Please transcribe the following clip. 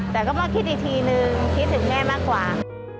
แต่ก็มาคิดอีกทีนึงคิดถึงแม่มากกว่า